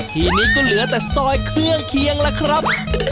ทีนี้ก็เหลือแต่ซอยเครื่องเคียงล่ะครับ